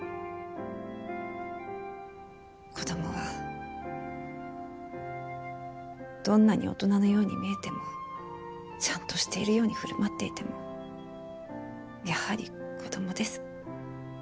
子どもはどんなに大人のように見えてもちゃんとしているように振る舞っていてもやはり子どもです。